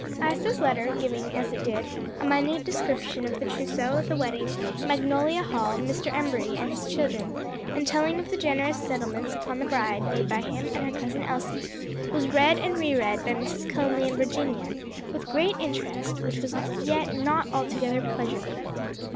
Isa's letter, giving, as it did, a minute description of the trousseau, the wedding, Magnolia Hall, Mr. Embury and his children, and telling of the generous settlements upon the bride made by him and her cousin Elsie, was read and re read by Mrs. Conly and Virginia with great interest, which was yet not altogether pleasurable.